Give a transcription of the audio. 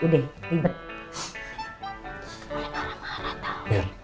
udah marah marah tau